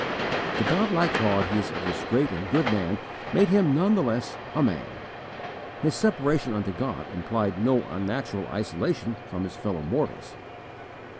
The godlike qualities of this great and good man made him none the less a man. His separation unto God implied no unnatural isolation from his fellow mortals.